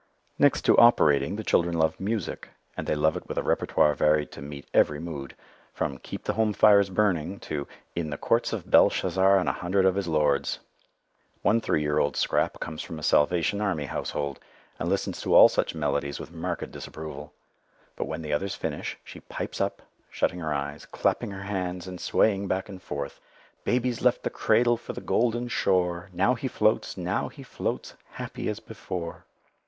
Next to operating, the children love music; and they love it with a repertoire varied to meet every mood, from "Keep the Home Fires Burning" to "In the Courts of Belshazzar and a Hundred of his Lords." One three year old scrap comes from a Salvation Army household, and listens to all such melodies with marked disapproval. But when the others finish, she "pipes up," shutting her eyes, clapping her hands and swaying back and forth "Baby's left the cradle for the Golden Shore: Now he floats, now he floats, Happy as before."